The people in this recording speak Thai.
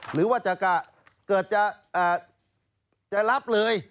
หรือว่าจะเกิดจะรับเลย